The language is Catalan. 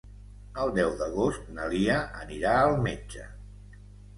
El deu d'agost na Lia anirà al metge.